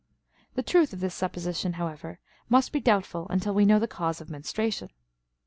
The truth of this supposition, however, must be doubtful until we know the cause of menstruation.